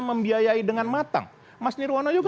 membiayai dengan matang mas nirwana juga